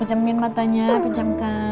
amin matanya pinjamkan